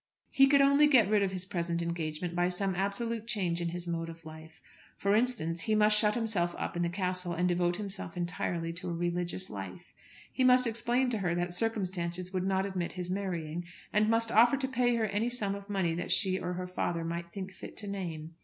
He could only get rid of his present engagement by some absolute change in his mode of life. For instance, he must shut himself up in a castle and devote himself entirely to a religious life. He must explain to her that circumstances would not admit his marrying, and must offer to pay her any sum of money that she or her father might think fit to name.